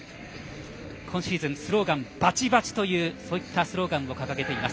今シーズン、スローガンバチバチというスローガンを掲げています。